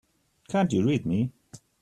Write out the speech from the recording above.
Can't you read me?